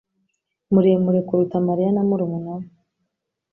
muremure kuruta Mariya na murumuna we